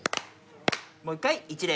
もう一回一礼。